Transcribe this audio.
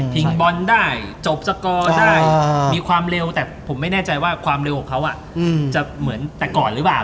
พิกบอลได้จบสกอร์คได้มีความเร็วแต่งโดยเก่าหรือว่า